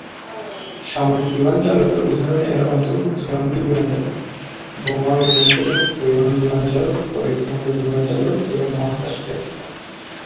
সামরিক বিমান চালকের উদাহরণ এর অন্তর্ভুক্ত জঙ্গী বিমান চালক, বোমারু বিমান চালক, পরিবহন বিমান চালক, পরীক্ষামূলক বিমান চালক এবং মহাকাশচারী।